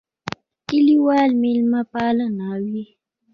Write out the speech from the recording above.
کلیوال مېلمهپاله وي.